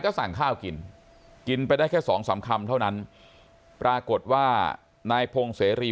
ก็สั่งข้าวกินกินไปได้แค่สองสามคำเท่านั้นปรากฏว่านายพงเสรี